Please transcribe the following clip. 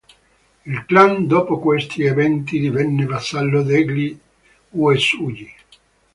Il clan dopo questi eventi divenne vassallo degli Uesugi.